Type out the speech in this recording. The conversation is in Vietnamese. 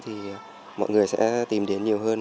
thì mọi người sẽ tìm đến nhiều hơn